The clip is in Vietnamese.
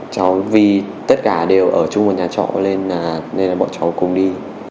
cháu vì tất cả đều ở chung một nhà trọ nên là bọn cháu cùng đi